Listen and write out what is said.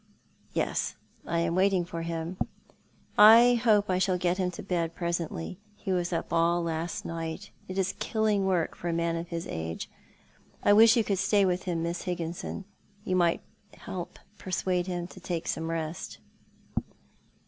"Yes, I am waiting for liim. I hope I shall get him to bed " Grudged I so nnick to die ?" 143 presently. He was up all last night. It is killing work for a raan of his age. I wish yon could stay with him, ^liss Higgin son. You might help to persuade him to take some rest."